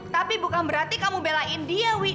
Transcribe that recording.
tapi bukan berarti kamu belain dia wi